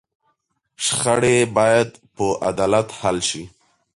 شخړې باید په عدالت حل شي.